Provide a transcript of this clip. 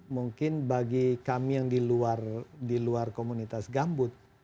mungkin bagi kami yang di luar komunitas gambut